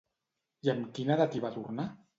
I amb quina edat hi va tornar?